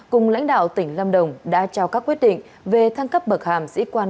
cùng lãnh đạo tỉnh lâm đồng đã trao các quyết định về thăng cấp bậc hàm sĩ quan